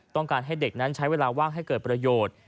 ต้องการให้เด็กนั้นใช้เวลาว่างให้เกิดประโยชน์